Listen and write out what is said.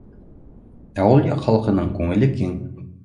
Ә ул яҡ халҡының күңеле киң